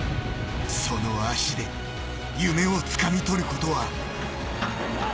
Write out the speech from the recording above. その脚で夢をつかみとることは。